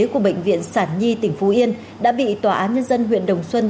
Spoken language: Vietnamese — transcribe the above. của bệnh viện sản nhi tỉnh phú yên đã bị tòa án nhân dân huyện đồng xuân